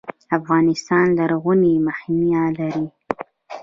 افغانستان لرغوني مخینه لري